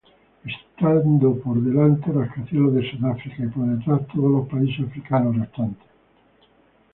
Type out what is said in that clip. Estando por delante rascacielos de Sudáfrica, y por detrás todos los países africanos restantes.